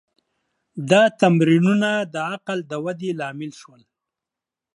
دا تمرینونه د عقل د ودې لامل شول.